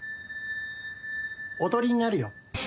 おとりになるよ。